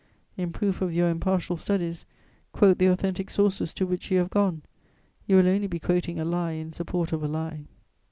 In proof of your impartial studies, quote the authentic sources to which you have gone: you will only be quoting a lie in support of a lie.